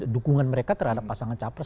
dukungan mereka terhadap pasangan capres